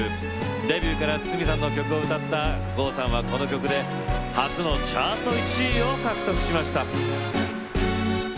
デビューから筒美さんの曲を歌った郷さんはこの曲で初のチャート１位を獲得しました。